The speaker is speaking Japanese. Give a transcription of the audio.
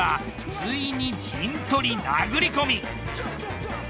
ついに「陣取り」殴り込み。